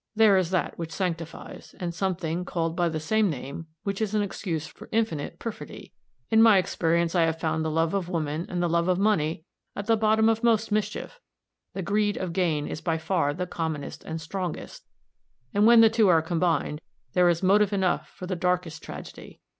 There is that which sanctifies, and something, called by the same name, which is an excuse for infinite perfidy. In my experience I have found the love of woman and the love of money at the bottom of most mischief the greed of gain is by far the commonest and strongest; and when the two are combined, there is motive enough for the darkest tragedy.